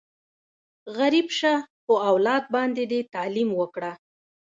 غریب شه، خو اولاد باندې دې تعلیم وکړه!